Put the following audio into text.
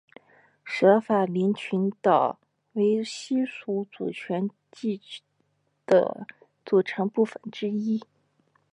舍法林群岛为西属主权地的组成部分之一。